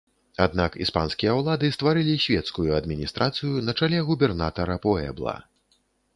Аднак іспанскія ўлады стварылі свецкую адміністрацыю на чале губернатара пуэбла.